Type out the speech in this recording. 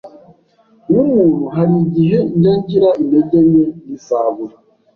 Nk’umuntu hari igihe njya ngira intege nke ntizabura